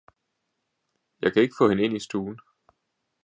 Jeg kan ikke få hende ind i stuen.